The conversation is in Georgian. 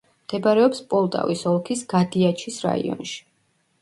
მდებარეობს პოლტავის ოლქის გადიაჩის რაიონში.